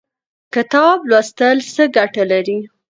کتاب لوستل څه ګټه لري؟